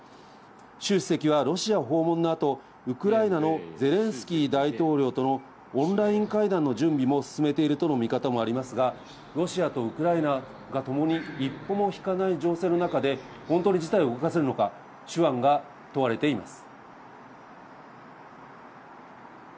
習主席はロシア訪問のあと、ウクライナのゼレンスキー大統領とのオンライン会談の準備も進めているとの見方もありますが、ロシアとウクライナがともに一歩も引かない情勢の中で、本当に事態を動かせるのか、手腕が問われています。